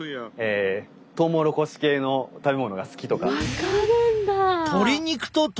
分かるんだ！